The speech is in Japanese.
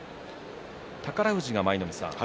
宝富士が舞の海さん